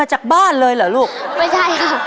มั่นใจอยู่ค่ะ